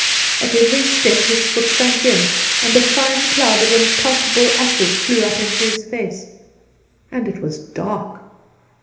At every step his foot sank in, and a fine cloud of impalpable ashes flew up into his face; and it was dark.